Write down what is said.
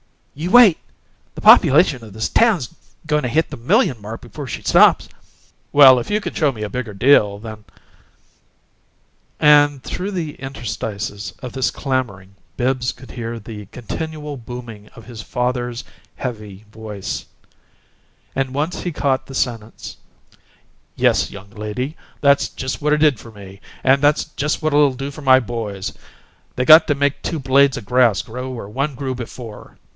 "You wait! The population of this town's goin' to hit the million mark before she stops."... "Well, if you can show me a bigger deal than " And through the interstices of this clamoring Bibbs could hear the continual booming of his father's heavy voice, and once he caught the sentence, "Yes, young lady, that's just what did it for me, and that's just what'll do it for my boys they got to make two blades o' grass grow where one grew before!"